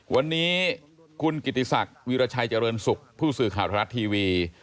วันนี้คุณกิติศักดิ์วิราชัยเจริญสุขผู้สื่อข่าวทรัฐทีวี